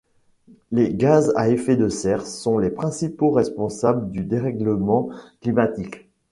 Les gaz à effet de serre sont les principaux responsables du dérèglement climatique.